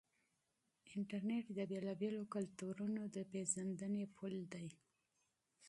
انټرنیټ د بېلابېلو کلتورونو د پیژندنې پل دی.